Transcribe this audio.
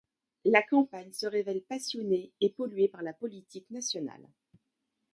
La campagne se révèle passionnée et polluée par la politique nationale.